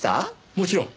もちろん。